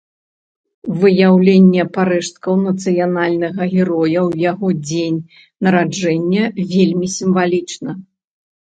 Выяўленне парэшткаў нацыянальнага героя ў яго дзень нараджэння вельмі сімвалічна.